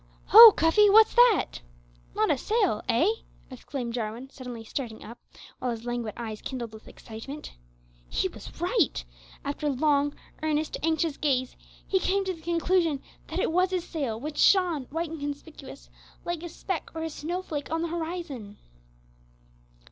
"Ho! Cuffy what's that? Not a sail, eh?" exclaimed Jarwin, suddenly starting up, while his languid eyes kindled with excitement. He was right. After a long, earnest, anxious gaze, he came to the conclusion that it was a sail which shone, white and conspicuous, like a speck or a snow flake on the horizon.